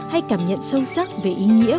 hay cảm nhận sâu sắc về ý nghĩa